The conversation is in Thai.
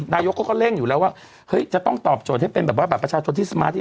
นายกเขาก็เร่งอยู่แล้วว่าเฮ้ยจะต้องตอบโจทย์ให้เป็นแบบว่าบัตรประชาชนที่สมาธิ